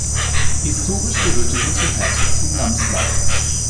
Historisch gehörte sie zum Herzogtum Namslau.